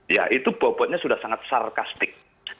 ya itu bobotnya sudah sangat sarkastik